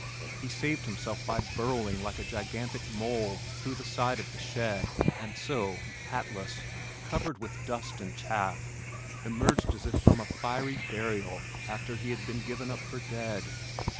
He saved himself by burrowing like a gigantic mole through the side of the shed, and so, hatless, covered with dust and chaff, emerged as if from a fiery burial after he had been given up for dead.